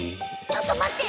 ちょっと待って！